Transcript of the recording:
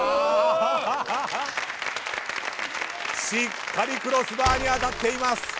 しっかりクロスバーに当たっています。